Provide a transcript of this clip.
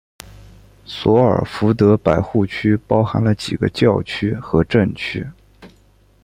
索尔福德百户区包含了几个教区和镇区。